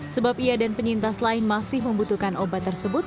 sebab ia dan penyintas lain masih membutuhkan obat tersebut